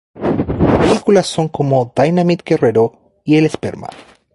Sus películas son como Dynamite Guerrero y el esperma.